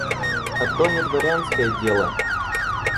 А то не дворянское дело.